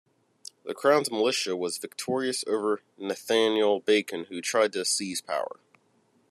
The Crown's militia was victorious over Nathaniel Bacon who tried to seize power.